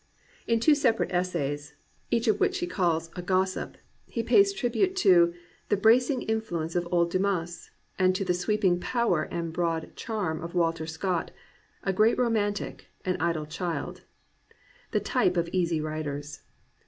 In two separate essays, each of which he calls 371 COMPANIONABLE BOOKS "A Grossip," he pays tribute to "the bracing in fluence of old Dumas," and to the sweeping power and broad charm of Walter Scott, "a great roman tic — an idle child," the type of easy writers.